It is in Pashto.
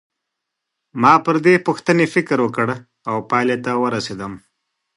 ما پر دې پوښتنې فکر وکړ او پایلې ته ورسېدم.